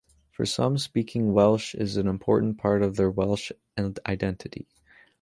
For some, speaking Welsh is an important part of their Welsh identity.